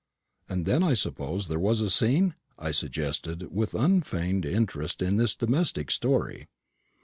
"And then I suppose there was a scene?" I suggested, with unfeigned interest in this domestic story.